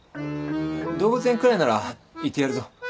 動物園くらいなら行ってやるぞ。